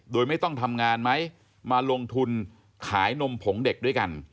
โดยไม่ต้องทำงานไหมมาลงทุนขายนมผงเด็กด้วยกัน